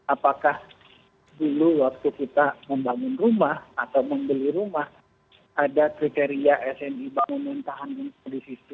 apakah dulu waktu kita membangun rumah atau membeli rumah ada kriteria smi bangunan tahan gempa